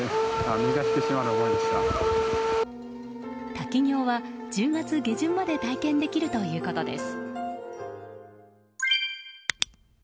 滝行は１０月下旬まで体験できるということです。